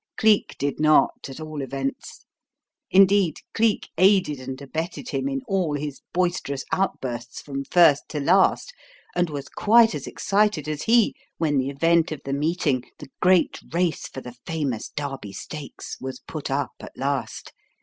Cleek did not, at all events. Indeed, Cleek aided and abetted him in all his boisterous outbursts from first to last; and was quite as excited as he when the event of the meeting the great race for the famous Derby Stakes was put up at last.